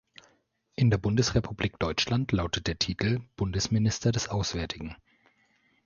In der Bundesrepublik Deutschland lautet der Titel "Bundesminister des Auswärtigen".